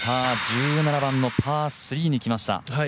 １７番のパー３に来ました。